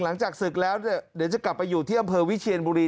หลังจากศึกแล้วเดี๋ยวจะกลับไปอยู่ที่อำเภอวิเชียนบุรี